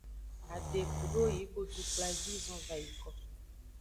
Ade kodo yi godukplavi zonvayiko.